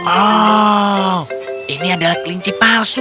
oh ini adalah kelinci palsu